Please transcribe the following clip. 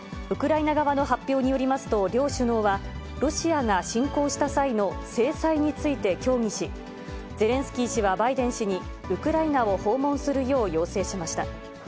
ウクライナ側の発表によりますと、両首脳は、ロシアが侵攻した際の制裁について協議し、ゼレンスキー氏はバイデン氏にウクライナを訪問するよう要請しました。